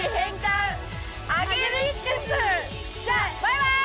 じゃあバイバイ！